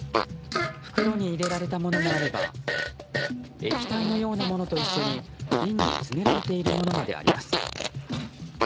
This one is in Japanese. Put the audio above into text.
袋に入れられたものもあれば液体のようなものと一緒に瓶に詰められているものまであります。